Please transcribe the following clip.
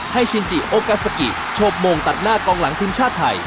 ชินจิโอกาซากิโชคโมงตัดหน้ากองหลังทีมชาติไทย